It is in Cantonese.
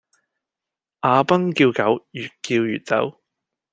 阿崩叫狗越叫越走